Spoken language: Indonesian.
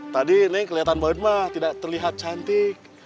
tadi neng kelihatan bahwa ipma tidak terlihat cantik